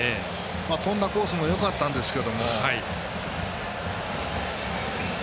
飛んだコースもよかったんですが。